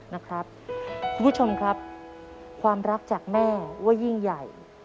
นะครับคุณผู้ชมครับความรักจากแม่ว่ายิ่งใหญ่